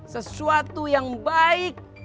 sesuatu yang baik